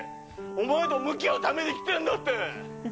お前と向き合うために来てんだって。